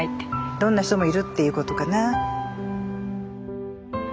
どんな人もいるっていうことかな。